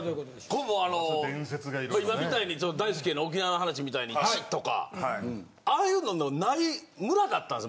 これもうあの今みたいに大輔の沖縄の話みたいにチッ！とかああいうのの無い村だったんです。